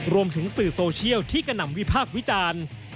รวมถึงสื่อโซเชียลที่กระหน่ำวิพากษ์วิจารณ์